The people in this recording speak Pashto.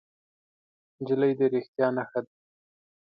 نجلۍ د رښتیا نښه ده.